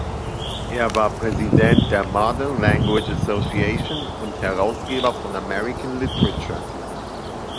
Er war Präsident der Modern Language Association und Herausgeber von "American Literature".